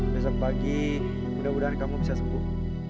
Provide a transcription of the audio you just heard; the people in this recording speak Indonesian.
besok pagi mudah mudahan kamu bisa sembuh